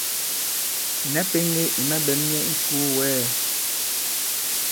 Ìna pēŋge i maɓɛ̌m nyɛ i ikòo wɛ̌ɛ!